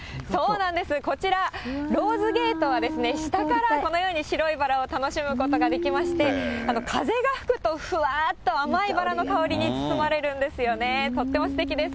こちら、ローズゲートは、下からこのように白いバラを楽しむことができまして、風が吹くと、ふわっと甘いバラの香りに包まれるんですよね、とってもすてきです。